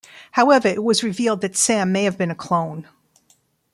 However, it was revealed that Sam may have been a clone.